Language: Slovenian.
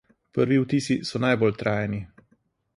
Prvi vtisi so najbolj trajni.